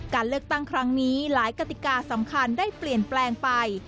การเลือกตั้งครั้งนี้หลายกติกาสำคัญได้เปลี่ยนแปลงไป